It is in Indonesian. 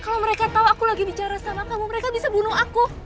kalau mereka tahu aku lagi bicara sama kamu mereka bisa bunuh aku